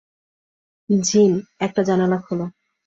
জিন, একটা জানালা খোলো।